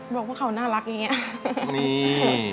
บอกว่าเขาน่ารักอย่างนี้